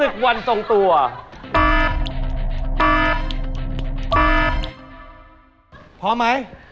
น่าต้องทราย